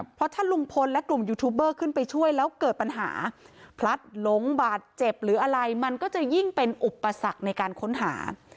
เพราะถ้าลุงพลและกลุ่มยูทูบเบอร์ขึ้นไปช่วยแล้วเกิดปัญหาพลัดหลงบาดเจ็บหรืออะไรมันก็จะยิ่งเป็นอุปสรรคในการค้นหา